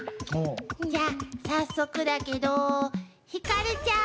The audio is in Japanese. じゃあ早速だけどひかるちゃん。